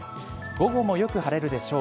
午後もよく晴れるでしょう。